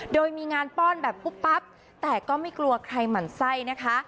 โดยมีงานป้อนแบบปุ๊บปั๊บแต่ก็ไม่กลัวใครหมั่นไส้นะคะ